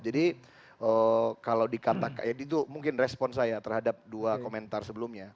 jadi kalo dikata kayak gitu mungkin respon saya terhadap dua komentar sebelumnya